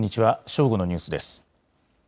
正午のニュースです。